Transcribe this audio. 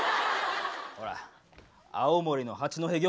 ほら青森の八戸漁港。